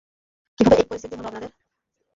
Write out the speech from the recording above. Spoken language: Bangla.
কীভাবে এই পরিণতি হলো আমাদের?